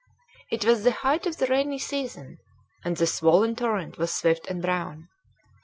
It was the height of the rainy season, and the swollen torrent was swift and brown.